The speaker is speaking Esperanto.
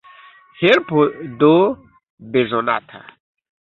Helpo do bezonata!